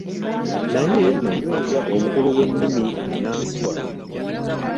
Naye n'anyweza obukulu bw'ennimi ennansi wano.